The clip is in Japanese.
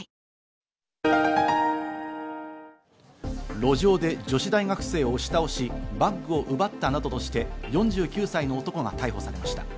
路上で女子大学生を押し倒しバッグを奪ったなどとして、４９歳の男が逮捕されました。